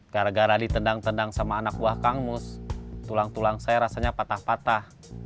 gara gara ditendang tendang sama anak buah kang mus tulang tulang saya rasanya patah patah